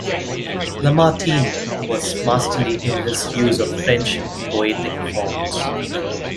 Lamartine was masterly in his use of French poetic forms.